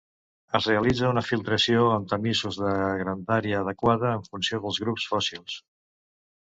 Es realitza una filtració amb tamisos de grandària adequada en funció dels grups fòssils.